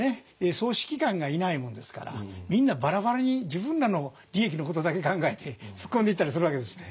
総指揮官がいないもんですからみんなバラバラに自分らの利益のことだけ考えて突っ込んでいったりするわけですね。